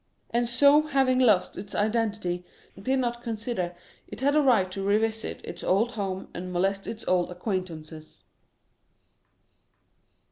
And so having lost its identity, did not consider it had a right to revisit its old home and molest its old acquaintances.